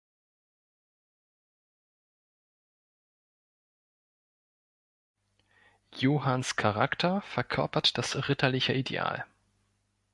Johans Charakter verkörpert das ritterliche Ideal.